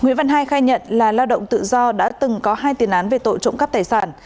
nguyễn văn hai khai nhận là lao động tự do đã từng có hai tiền án về tội trộm cắp tài sản